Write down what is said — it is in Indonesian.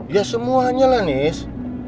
ya semuanya lah nis